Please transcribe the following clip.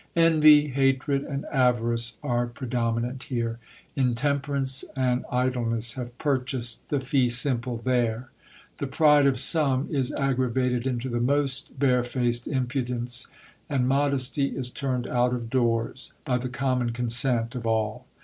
Envy, hatred, and avarice are predominant here ; intemperance and idleness have purchased the fee simple there : the pride of some is aggravated into the most barefaced impudence, and modesty is turned out of doors, by the common con sent of all.